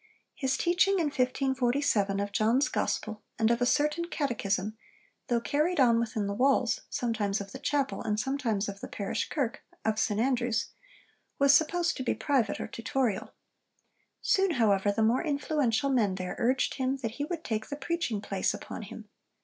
His teaching in 1547 of John's Gospel, and of a certain 'catechism,' though carried on within the walls, sometimes of the chapel, and sometimes of the parish kirk, of St Andrews, was supposed to be private or tutorial. Soon, however, the more influential men there urged him 'that he would take the preaching place upon him.